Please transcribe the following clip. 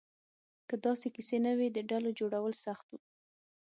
که داسې کیسې نه وې، د ډلو جوړول سخت وو.